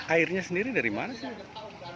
airnya sendiri dari mana sih